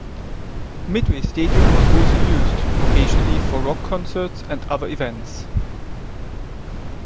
Midway Stadium was also used, occasionally, for rock concerts and other events.